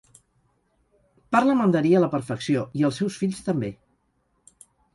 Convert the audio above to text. Parla mandarí a la perfecció, i els seus fills també.